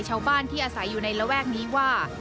ชาวบ้านที่อาศัยอยู่ในระแวกนี้ว่า